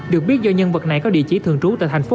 được biết do nhân vật này có địa chỉ thường trú tại thành phố